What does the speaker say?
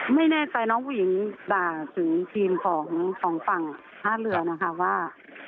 ไม่แน่ใจน้องผู้หญิงด่าถึงทีมของฝั่งท่าเรือนะคะว่า